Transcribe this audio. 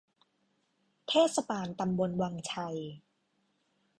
เทศบาลตำบลวังชัย